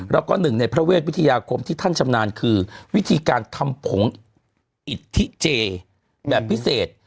แล้วก็หนึ่งในพระเวทวิทยาคมที่ท่านชำนาญคือวิธีการทำผงอิทธิเจแบบพิเศษ